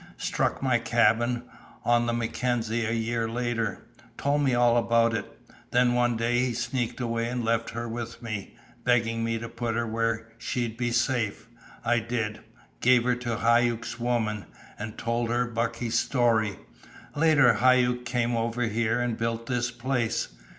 "Struck my cabin, on the Mackenzie, a year later. Told me all about it. Then one day he sneaked away and left her with me, begging me to put her where she'd be safe. I did. Gave her to Hauck's woman, and told her Bucky's story. Later, Hauck came over here and built this place.